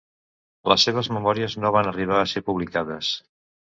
Les seves memòries no van arribar a ser publicades.